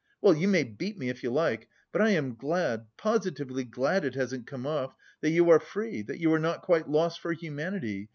Well, you may beat me if you like, but I am glad, positively glad it hasn't come off, that you are free, that you are not quite lost for humanity....